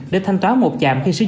để thanh toán một chạm khi sử dụng